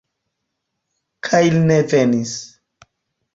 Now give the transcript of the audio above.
Kaj li ne venis!